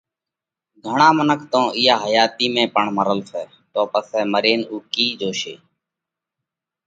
گھڻا منک تو اِيئا حياتِي ۾ پڻ مرل سئہ، تو پسئہ مرينَ اُو ڪِي جيوَشي۔